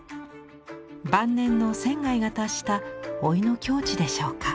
晩年の仙が達した老いの境地でしょうか。